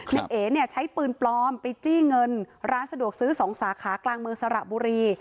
ในเอ๋เนี่ยใช้ปืนปลอมไปจี้เงินร้านสะดวกซื้อ๒สาขากลางเมืองสระบุรี